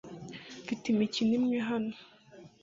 Mfite imikino imwe hano